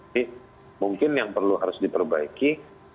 jadi mungkin yang perlu harus diperbaiki